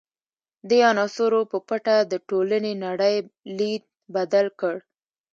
دې عناصرو په پټه د ټولنې نړۍ لید بدل کړ.